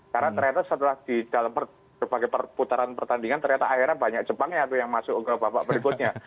karena ternyata setelah di dalam berbagai perputaran pertandingan ternyata akhirnya banyak jepang yang masuk ke babak berikutnya